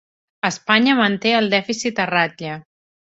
Espanya manté el dèficit a ratlla